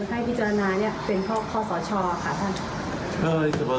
ให้พิจารณาเป็นข้อสอชอค่ะท่าน